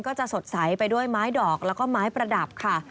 ก็จะสดใสไปด้วยไม้ดอกแล้วก็ไม้ประดับค่ะ